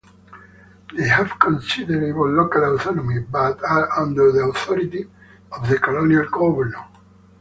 They have considerable local autonomy, but are under the authority of the colonial governor.